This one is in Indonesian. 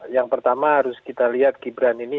yang pertama harus kita lihat gibran ini